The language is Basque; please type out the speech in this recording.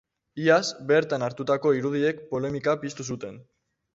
Iaz bertan hartutako irudiek polemika piztu zuten.